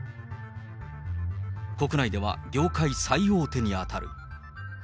国内では業界最大手に当たる。